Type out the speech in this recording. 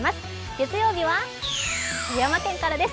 月曜日は富山県からです。